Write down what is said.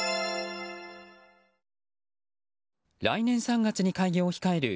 来年３月に開業を控える